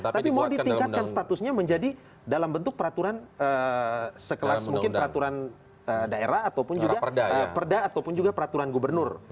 tapi mau ditingkatkan statusnya menjadi dalam bentuk peraturan sekelas mungkin peraturan daerah ataupun juga perda ataupun juga peraturan gubernur